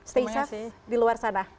stay shock di luar sana